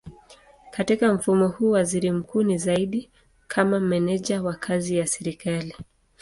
Katika mfumo huu waziri mkuu ni zaidi kama meneja wa kazi ya serikali.